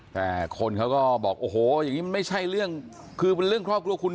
แต่คนเขาก็บอกโอ้โหอย่างนี้มันไม่ใช่เรื่องคือเป็นเรื่องครอบครัวคุณ